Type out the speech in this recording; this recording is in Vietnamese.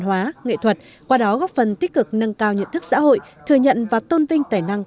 hóa nghệ thuật qua đó góp phần tích cực nâng cao nhận thức xã hội thừa nhận và tôn vinh tài năng